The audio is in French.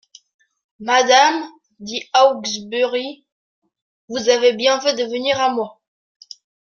«Madame,» dit Hawksbury, «vous avez bien fait de venir à moi.